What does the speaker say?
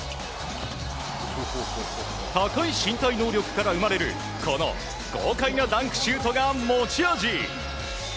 高い身体能力から生まれるこの豪快なダンクシュートが持ち味。